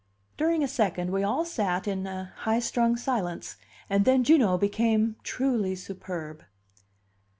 During a second we all sat in a high strung silence, and then Juno became truly superb.